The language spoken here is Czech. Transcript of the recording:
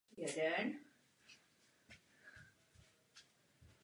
Dodnes nebyla vyjádřena žádná omluva.